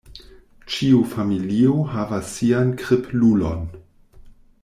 Ĉiu familio havas sian kriplulon.